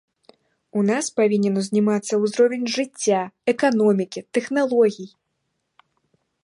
У нас павінен узнімацца ўзровень жыцця, эканомікі, тэхналогій.